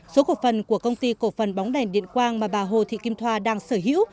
số cổ phần của công ty cổ phần bóng đèn điện quang mà bà hồ thị kim thoa đang sở hữu